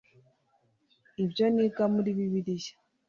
ibyo niga muri bibiliya